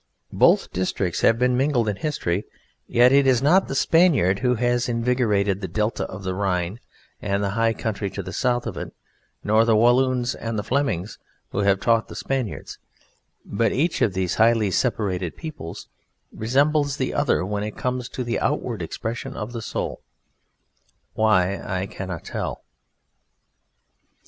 Both districts have been mingled in history, yet it is not the Spaniard who has invigorated the Delta of the Rhine and the high country to the south of it, nor the Walloons and the Flemings who have taught the Spaniards; but each of these highly separated peoples resembles the other when it comes to the outward expression of the soul: why, I cannot tell.